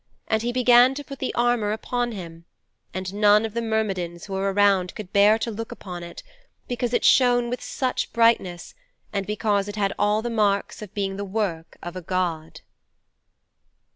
And he began to put the armour upon him, and none of the Myrmidons who were around could bear to look upon it, because it shone with such brightness and because it had all the marks of being the work of a god.'